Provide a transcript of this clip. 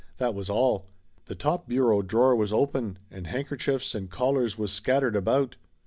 That was all. The top bureau draw was open and handkerchiefs and collars was scattered about.